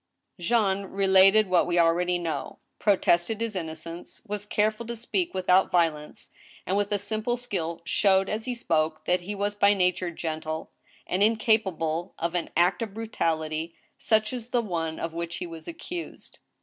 Jean related what we already know, protested his innocence, was careful to speak without violence, and, with a simple skill, showed as he spoke that he was by nature gentle, and incapable of an act of brutality such as the one of which he was accused.